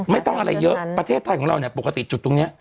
ไม่ต้องอะไรเยอะประเทศไทยของเราเนี่ยปกติจุดตรงนี้